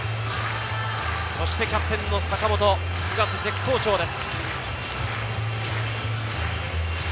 そしてキャプテン・坂本、９月絶好調です。